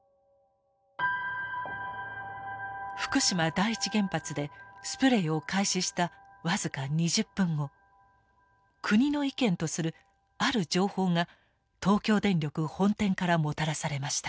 福島第一原発でスプレイを開始した僅か２０分後国の意見とするある情報が東京電力本店からもたらされました。